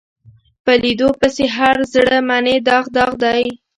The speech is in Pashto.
په لیدو پسې هر زړه منې داغ داغ دی